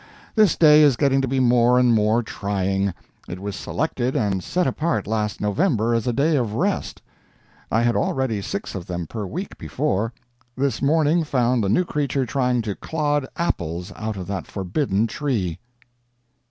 This day is getting to be more and more trying. It was selected and set apart last November as a day of rest. I had already six of them per week before. This morning found the new creature trying to clod apples out of that forbidden tree.